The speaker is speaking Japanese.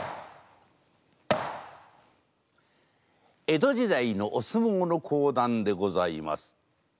江戸時代のお相撲の講談でございます。